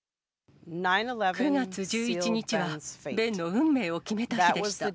９月１１日はベンの運命を決めた日でした。